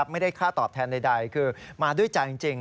ไม่ได้ค่าตอบแทนใดคือมาด้วยใจจริง